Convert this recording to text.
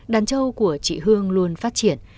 đàn châu của chị hương luôn phát triển